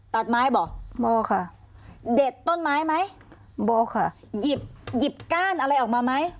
ตัดไม้บอกค่ะเด็ดต้นไม้ไหมโบค่ะหยิบหยิบก้านอะไรออกมาไหม